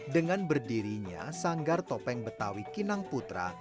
dengan berdirinya sanggar topeng betawi kinang putra